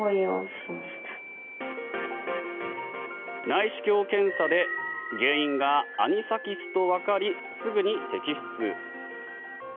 内視鏡検査で原因がアニサキスとわかりすぐに摘出。